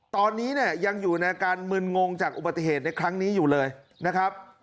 ตอนนี้เนี่ยยังอยู่ในอาการมึนงงจากอุบัติเหตุในครั้งนี้อยู่เลยนะครับ